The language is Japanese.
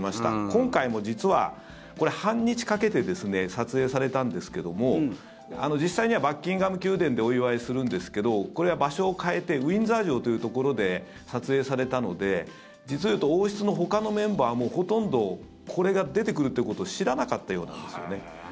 今回も実は、半日かけて撮影されたんですけども実際にはバッキンガム宮殿でお祝いするんですけどこれは場所を変えてウィンザー城というところで撮影されたので、実を言うと王室のほかのメンバーもほとんどこれが出てくるということを知らなかったようなんですよね。